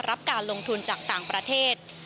รับการลงทุนจากต่างประเทศ